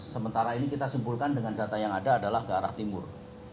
sementara ini kita simpulkan dengan data yang ada adalah ke arah timur